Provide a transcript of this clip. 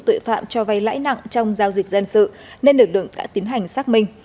nguyễn quốc vương đã đặt tài liệu cho vay lãi nặng trong giao dịch dân sự nên lực lượng đã tiến hành xác minh